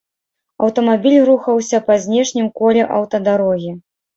Аўтамабіль рухаўся па знешнім коле аўтадарогі.